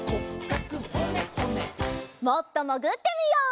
もっともぐってみよう！